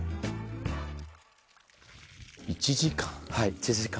１時間。